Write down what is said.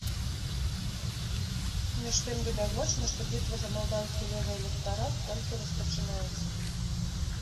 Між тым, відавочна, што бітва за малдаўскі левы электарат толькі распачынаецца.